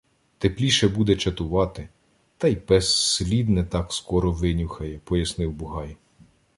— Тепліше буде чатувати, та й пес слід не так скоро винюхає, — пояснив Бугай.